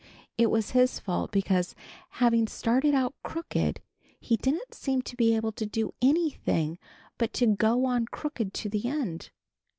It was his fault because, having started out crooked, he didn't seem to be able to do anything but to go on crooked to the end.